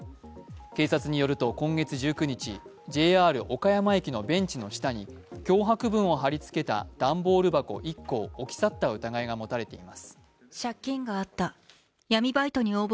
警察によると今月１９日、ＪＲ岡山駅のベンチの下に脅迫文を貼りつけた段ボール箱１個を置き去った疑いが持たれています。